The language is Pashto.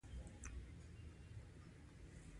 احمد ځان جلبل کړی وو؛ واده ته راغی.